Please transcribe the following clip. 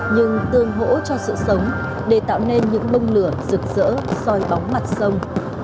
nhưng tương hỗ cho sự sống để tạo nên những bông lửa rực rỡ soi bóng mặt sông